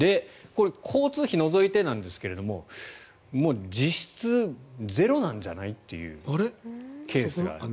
交通費除いてなんですが実質、ゼロなんじゃないというケースがある。